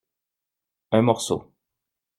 Un morceau.